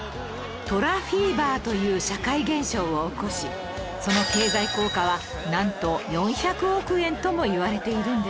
トラ・フィーバーという社会現象を起こしその経済効果はなんと４００億円ともいわれているんです